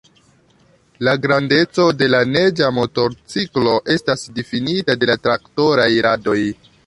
La grandeco de la neĝa motorciklo estas difinita de la traktoraj radoj.